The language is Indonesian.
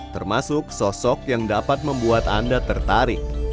termasuk sosok yang dapat membuat anda tertarik